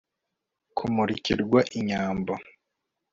kumurikirwa inyambo